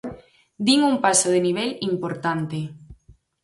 Din un paso de nivel importante.